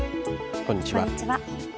こんにちは。